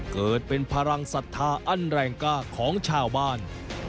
เกิดเป็นพลังศรัทธาอันแรงกล้าของชาวบ้าน